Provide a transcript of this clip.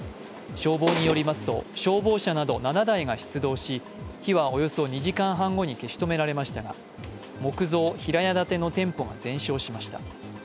消防によりますと、消防車など７台が出動し火はおよそ２時間半後に消し止められましたが木造平屋建ての店舗が全焼しました。